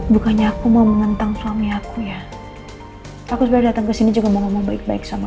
bukannya aku mau menentang suami aku ya aku supaya datang ke sini juga mau ngomong baik baik sama